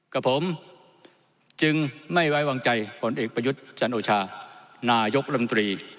กับผมจึงไม่ไว้วางใจผลเอกประยุทธ์จันโอชานายกรรมตรี